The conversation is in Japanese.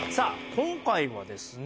今回はですね